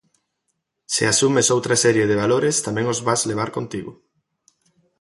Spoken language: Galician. Se asumes outra serie de valores tamén os vas levar contigo.